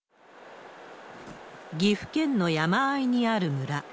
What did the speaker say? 岐阜県の山あいにある村。